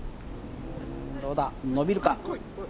どうだ、伸びるか？